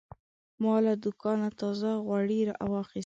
ما له دوکانه تازه غوړي واخیستل.